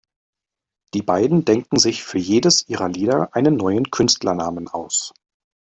Die beiden denken sich für jedes ihrer Lieder einen neuen Künstlernamen aus.